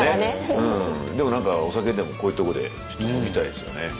でも何かお酒でもこういうところで飲みたいですよね。